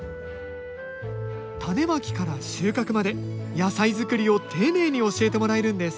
種まきから収穫まで野菜作りを丁寧に教えてもらえるんです